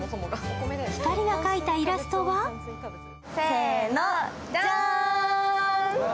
２人が描いたイラストはせーの、ジャーン！